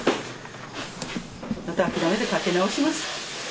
また諦めて、かけ直します。